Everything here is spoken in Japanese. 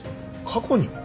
過去にも？